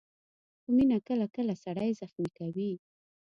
خو مینه کله کله سړی زخمي کوي.